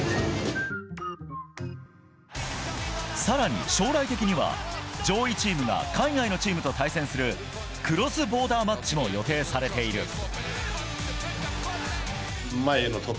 更に将来的には、上位チームが海外のチームと対戦するクロスボーダーマッチも予定されている。